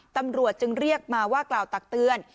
ตำรวจจึงเรียกมาว่ากล่าวตักเตือน